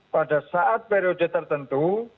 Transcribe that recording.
pada saat periode tertentu